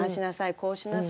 こうしなさい。